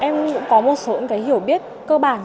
em cũng có một số hiểu biết cơ bản